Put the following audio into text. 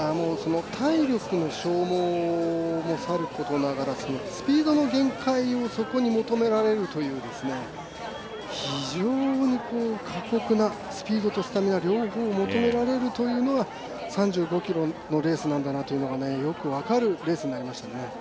体力の消耗もさることながらスピードの限界をそこに求められるという非常に過酷なスピードとスタミナ両方を求められるというのが３５ｋｍのレースなんだなというのがよく分かるレースになりましたね。